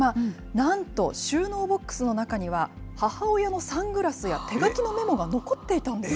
なんと収納ボックスの中には、母親のサングラスや手書きのメモが残っていたんです。